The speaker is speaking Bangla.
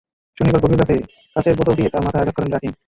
শনিবার গভীর রাতে কাচের বোতল দিয়ে তার মাথায় আঘাত করেন রাকিন।